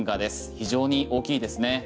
非常に大きいですね。